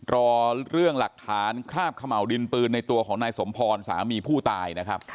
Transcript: รอเรื่องหลักฐานคราบเขม่าวดินปืนในตัวของนายสมพรสามีผู้ตายนะครับ